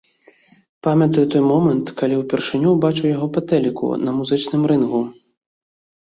Памятаю той момант, калі ўпершыню ўбачыў яго па тэліку на музычным рынгу.